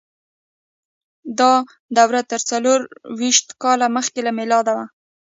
دا دوره تر څلور ویشت کاله مخکې له میلاده وه.